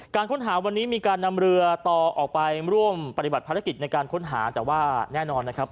ค้นหาวันนี้มีการนำเรือต่อออกไปร่วมปฏิบัติภารกิจในการค้นหาแต่ว่าแน่นอนนะครับ